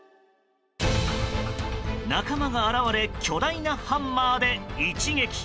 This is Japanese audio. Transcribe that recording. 仲間が現れ巨大なハンマーで一撃。